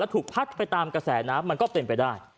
ถูกพัดไปตามกระแสน้ำมันก็เป็นไปได้